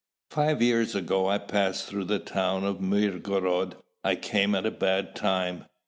Five years ago, I passed through the town of Mirgorod. I came at a bad time.